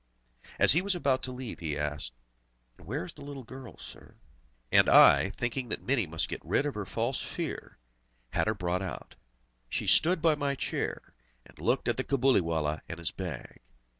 As he was about to leave, he asked: "And where is the little girl, sir?" And I, thinking that Mini must get rid of her false fear, had her brought out. She stood by my chair, and looked at the Cabuliwallah and his bag.